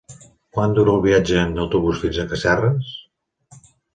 Quant dura el viatge en autobús fins a Casserres?